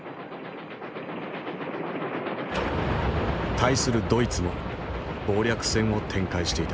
対するドイツも謀略戦を展開していた。